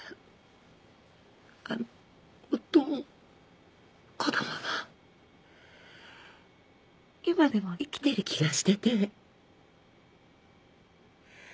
夫も子供も今でも生きてる気がしてて。